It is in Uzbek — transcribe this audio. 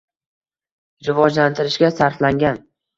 rivojlantirishga sarflangan